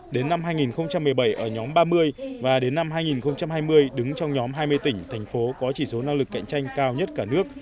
đến năm hai nghìn một mươi bảy ở nhóm ba mươi và đến năm hai nghìn hai mươi đứng trong nhóm hai mươi tỉnh thành phố có chỉ số năng lực cạnh tranh cao nhất cả nước